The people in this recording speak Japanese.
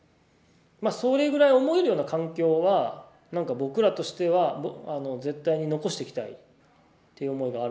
それぐらい思えるような環境は僕らとしては絶対に残していきたいっていう思いがあるので。